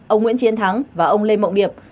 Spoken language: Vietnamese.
ông nguyễn chiến thắng và ông lê mộng điệp